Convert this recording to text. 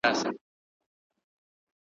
له منګولو او له زامي د زمریو ,